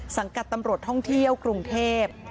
กับตำรวจท่องเที่ยวกรุงเทพ